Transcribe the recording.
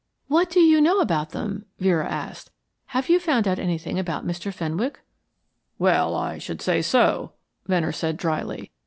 "What do you know about them?" Vera asked. "Have you found out anything about Mr. Fenwick?" "Well, I should say so," Venner said, drily.